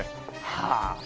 はあ？